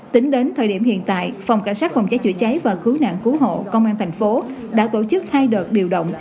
tính đến thời điểm hiện tại phòng cảnh sát phòng cháy chữa cháy và cứu nạn cứu hộ công an thành phố đã tổ chức hai đợt điều động